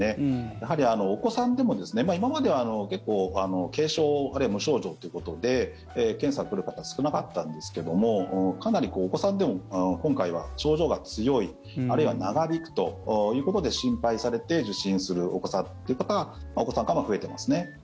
やはりお子さんでも今までは結構軽症あるいは無症状ということで検査に来る方少なかったんですけどもかなりお子さんでも今回は症状が強いあるいは長引くということで心配されて受診するお子さんが増えてますね。